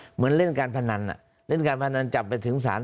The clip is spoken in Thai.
เหมือนเล่นการพนันเล่นการพนันจับไปถึงศาล